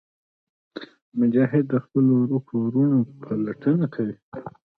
مجاهد د خپلو ورکو وروڼو پلټنه کوي.